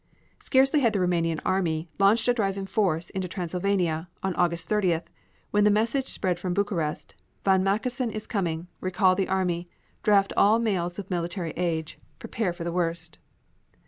Scarcely had the Roumanian army launched a drive in force into Transylvania on August 30th, when the message spread from Bucharest "von Mackensen is coming. Recall the army. Draft all males of military age. Prepare for the worst."